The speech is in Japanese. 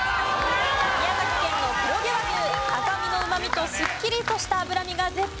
宮崎県の高級和牛赤身のうまみとすっきりとした脂身が絶品！